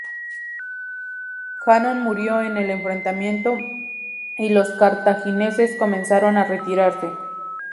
Hannón murió en el enfrentamiento, y los cartagineses comenzaron a retirarse.